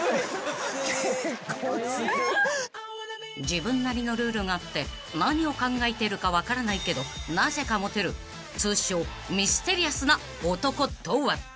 ［自分なりのルールがあって何を考えてるか分からないけどなぜかモテる通称ミステリアスな男とは？］